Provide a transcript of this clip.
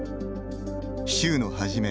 週の初め